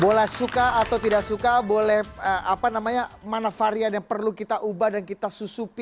boleh suka atau tidak suka boleh apa namanya mana varian yang perlu kita ubah dan kita susupi